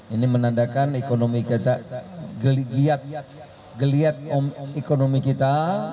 ini menandakan geliat ekonomi kita